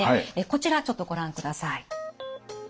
こちらちょっとご覧ください。